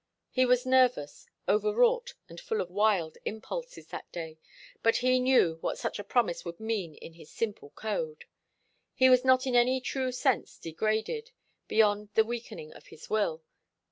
He was nervous, overwrought and full of wild impulses that day, but he knew what such a promise would mean in his simple code. He was not in any true sense degraded, beyond the weakening of his will.